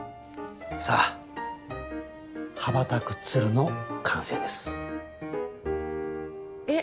さあ羽ばたく鶴の完成ですえっ